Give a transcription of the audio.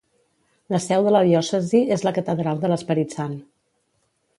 La seu de la diòcesi és la catedral de l'Esperit Sant.